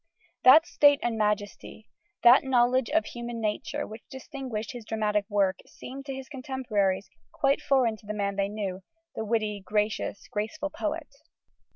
That state and majesty, that knowledge of human nature, which distinguish his dramatic work, seemed, to his contemporaries, quite foreign to the man they knew, the witty, gracious, graceful poet.